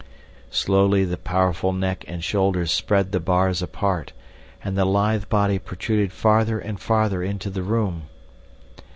Slowly the powerful neck and shoulders spread the bars apart, and the lithe body protruded farther and farther into the room.